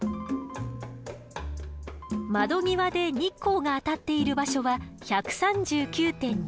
窓際で日光が当たっている場所は１３９．２。